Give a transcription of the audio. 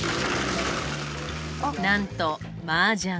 なんとマージャン。